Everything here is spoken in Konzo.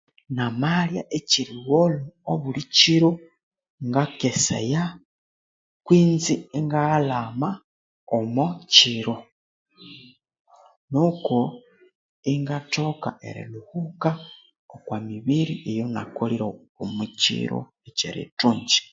Namalya ekyeriwolo obulikiro ngakesaya kutse ingaghalama omokyiro nuko ingathoka erihubuka okomibiri eyanakolire omokyiro ekyerithungi